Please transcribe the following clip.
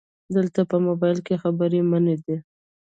📵 دلته په مبایل کې خبري منع دي